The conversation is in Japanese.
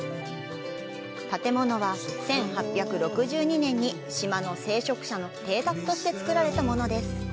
建物は、１８６２年に島の聖職者の邸宅として造られたものです。